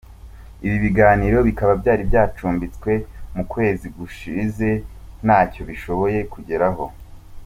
Ibi biganiro bikaba byari byacumbitswe mu kwezi gushize ntacyo bishoboye kugeraho.